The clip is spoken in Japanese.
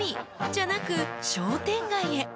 じゃなく商店街へ］